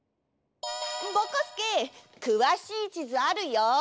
ぼこすけくわしいちずあるよ。